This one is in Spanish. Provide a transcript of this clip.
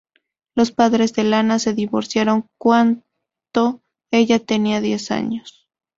Los padres de Lana se divorciaron cuanto ella tenía diez años.